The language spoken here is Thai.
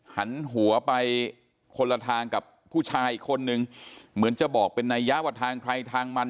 หันหัวไปคนละทางกับผู้ชายอีกคนนึงเหมือนจะบอกเป็นนัยยะว่าทางใครทางมัน